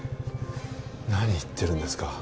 何言ってるんですか